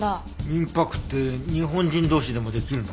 民泊って日本人同士でも出来るの？